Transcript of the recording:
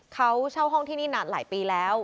เขาเช่าห้องที่นี่นานหลายปีแล้ว